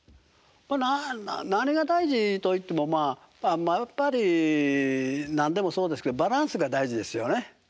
何が大事と言ってもやっぱり何でもそうですけどバランスが大事ですよね